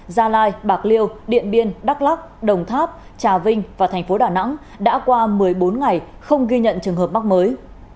gia lai bạc liêu điện biên đắk lắc đồng tháp trà vinh và thành phố đà nẵng đã qua một mươi bốn ngày không ghi nhận trường hợp mắc mới